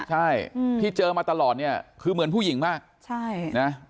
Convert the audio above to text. ใช่ที่เจอมาตลอดเนี่ยคือเหมือนผู้หญิงมากใช่นะ